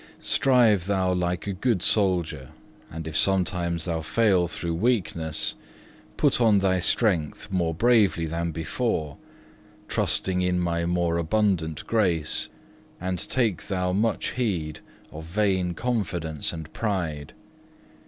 "Strive thou like a good soldier; and if sometimes thou fail through weakness, put on thy strength more bravely than before, trusting in My more abundant grace, and take thou much heed of vain confidence and pride.